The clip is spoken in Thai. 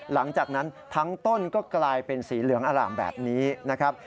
หลังจากนั้นทั้งต้นก็กลายเป็นสีเหลืองอร่ามแบบนี้นะครับ